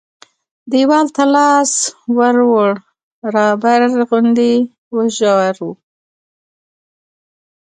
دیوال ته لاس ور ووړ رابر غوندې و ژور و.